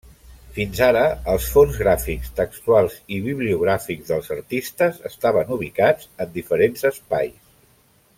Fins ara, els fons gràfics, textuals i bibliogràfics dels artistes estaven ubicats en diferents espais.